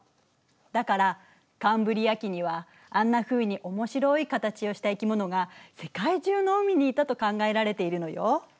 だからカンブリア紀にはあんなふうに面白い形をした生き物が世界中の海にいたと考えられているのよ。